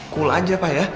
cool aja pak ya